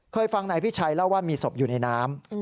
ฟังนายพิชัยเล่าว่ามีศพอยู่ในน้ำ